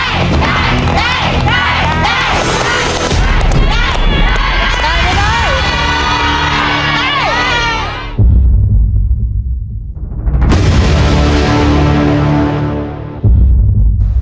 ครอบครัวของแม่ปุ้ยจังหวัดสะแก้วนะครับ